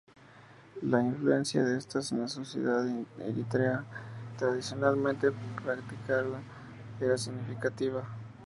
La influencia de estas en la sociedad eritrea, tradicionalmente patriarcal, era significativa.